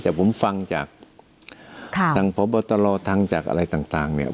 แต่ผมฟังจากทางพบตรทางจากอะไรต่างเนี่ย